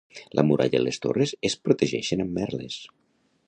La muralla i les torres es protegeixen amb merles.